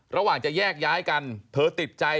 ระหว่างจะแยกย้ายกันเธอติดใจ